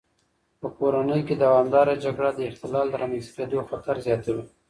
په کورنۍ کې دوامداره جګړه د اختلال د رامنځته کېدو خطر زیاتوي.